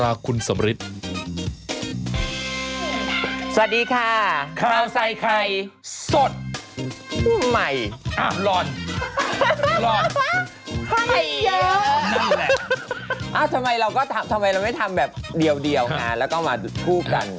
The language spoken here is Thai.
อ้าวทำไมเราก็ทำทำไมเราไม่ทำแบบเดียวงานแล้วก็เอามาคู่กัน